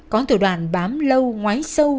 có thủ đoàn bám lâu ngoái sâu